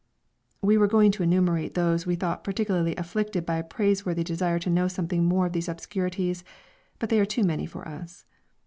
We were going to enumerate those we thought particularly afflicted by a praiseworthy desire to know something more of these obscurities, but they are too many for us.